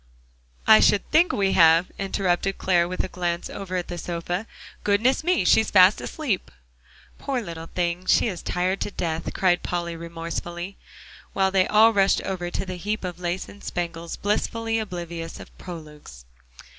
"I should think we have," interrupted Clare with a glance over at the sofa. "Goodness me, she's fast asleep!" "Poor little thing, she is tired to death," cried Polly remorsefully, while they all rushed over to the heap of lace and spangles, blissfully oblivious of "prologues."